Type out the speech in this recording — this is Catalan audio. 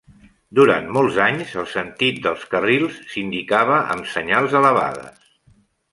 Durant molts anys, el sentit dels carrils s'indicava amb senyals elevades.